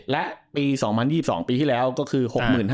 และปี๒๐๒๒ปีที่แล้วก็คือ๖๕๐